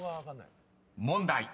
［問題］